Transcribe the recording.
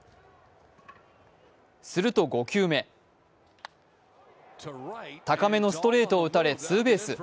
すると５球目、高めのストレートを打たれツーベース。